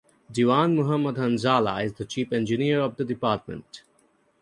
Dewan Mohammad Hanzala is the chief engineer of the department.